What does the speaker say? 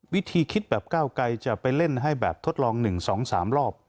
วิธีคิดแบบก้าวไกรจะไปเล่นให้แบบทดลอง๑๒๓รอบ